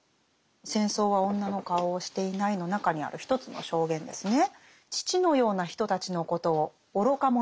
「戦争は女の顔をしていない」の中にある一つの証言ですね。